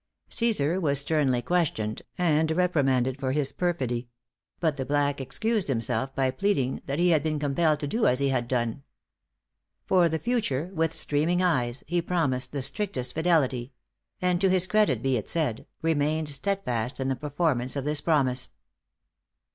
Cæsar was sternly questioned, and reprimanded for his perfidy; but the black excused himself by pleading that he had been compelled to do as he had done. For the future, with streaming eyes, he promised the strictest fidelity; and to his credit be it said, remained steadfast in the performance of this promise.